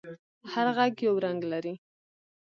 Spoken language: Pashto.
هر غږ یو رنگ لري.